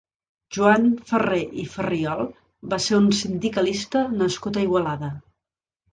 Joan Ferrer i Farriol va ser un sindicalista nascut a Igualada.